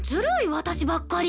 私ばっかり。